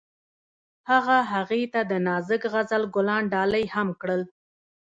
هغه هغې ته د نازک غزل ګلان ډالۍ هم کړل.